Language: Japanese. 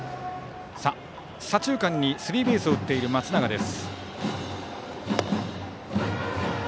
左中間にスリーベースを打っている松永がバッター。